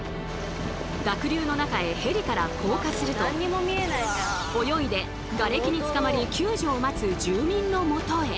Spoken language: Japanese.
濁流の中へヘリから降下すると泳いでがれきにつかまり救助を待つ住民のもとへ。